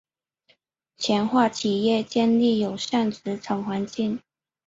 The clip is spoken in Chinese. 强化企业建立友善职场环境